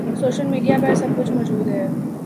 social media پر سب کچھ موجود ہے